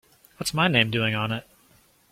What's my name doing on it?